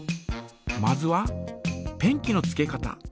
まずはペンキのつけ方。